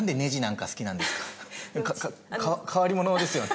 かか変わり者ですよね。